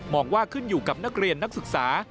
องว่าขึ้นอยู่กับนักเรียนนักศึกษา